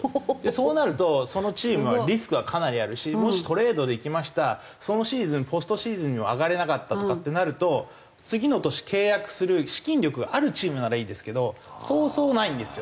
そうなるとそのチームはリスクはかなりあるしもしトレードできましたそのシーズンポストシーズンには上がれなかったとかってなると次の年契約する資金力があるチームならいいですけどそうそうないんですよ。